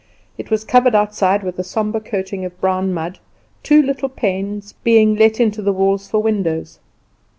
It was covered outside with a sombre coating of brown mud, two little panes being let into the walls for windows.